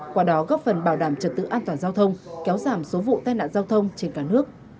qua đó góp phần bảo đảm trật tự an toàn giao thông kéo giảm số vụ tai nạn giao thông trên cả nước